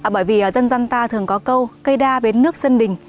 bởi vì dân dân ta thường có câu cây đa bến nước sân đình